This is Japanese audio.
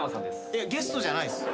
いやゲストじゃないっす。